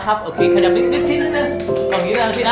แถมกล้องนี้หน่อย